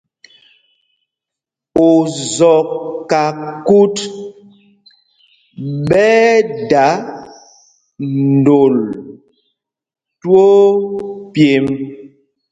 Ozɔkákût ɓɛ́ ɛ́ dā ndôl twóó pyêmb.